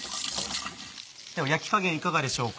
では焼き加減いかがでしょうか？